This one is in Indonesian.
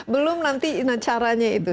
belum nanti caranya itu